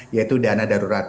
yaitu dana darurat